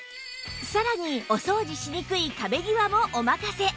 さらにお掃除しにくい壁際もお任せ！